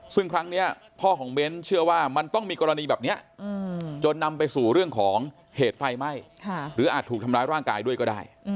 ซึ่งครั้งนี้พ่อของเบ้นเชื่อว่ามันต้องมีกรณีแบบนี้จนนำไปสู่เรื่องของเหตุไฟไหม้หรืออาจถูกทำร้ายร่างกายด้วยก็ได้